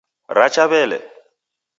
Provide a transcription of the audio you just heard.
Racha wele